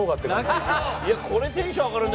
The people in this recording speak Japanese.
これテンション上がるね。